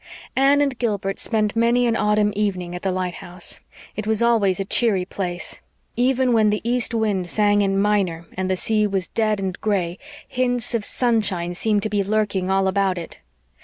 Anne and Gilbert spent many an autumn evening at the lighthouse. It was always a cheery place. Even when the east wind sang in minor and the sea was dead and gray, hints of sunshine seemed to be lurking all about it.